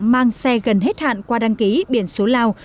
mang xe gần hết hạn qua đăng ký biển số lào